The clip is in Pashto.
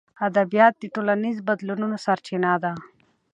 ادبیات د ټولنیزو بدلونونو سرچینه ده.